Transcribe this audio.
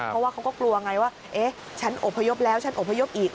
เพราะว่าเขาก็กลัวไงว่าเอ๊ะฉันอบพยพแล้วฉันอบพยพอีก